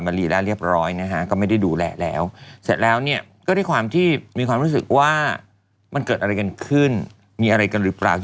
พี่มีความรู้สึกว่ามันเกิดอะไรกันขึ้นมีอะไรกันหรือเปล่า